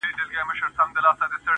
له دغي خاوري مرغان هم ولاړل هجرت کوي.